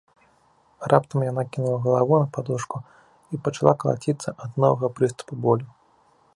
Раптам яна кінула галаву на падушку і пачала калаціцца ад новага прыступу болю.